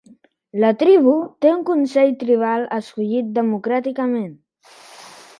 La tribu té un consell tribal escollit democràticament.